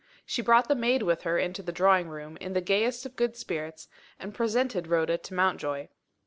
She brought the maid with her into the drawing room, in the gayest of good spirits, and presented Rhoda to Mountjoy.